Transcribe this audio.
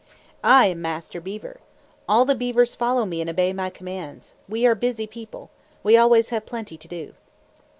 "I am Master Beaver. All the beavers follow me and obey my commands. We are busy people. We always have plenty to do."